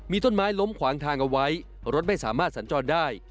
มีต้นไม้ล้มขวางทางเอาไว้รถไม่สามารถสัญจรได้